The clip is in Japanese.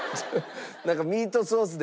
なんかミートソースで。